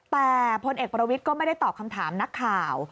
แต่พลเอกประวิทย์ก็ไม่ได้ตอบคำถามนักข่าว